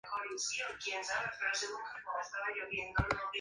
A su vuelta, Carvajal fue nombrado Cardenal de Porto y de Santa Rufina.